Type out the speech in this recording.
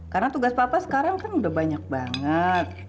karena tugas papa sekarang kan udah banyak banget